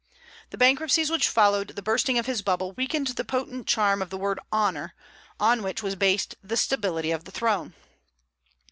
The bankruptcies which followed the bursting of his bubble weakened the potent charm of the word 'honor,' on which was based the stability of the throne."